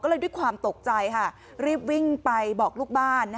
ก็เลยด้วยความตกใจค่ะรีบวิ่งไปบอกลูกบ้าน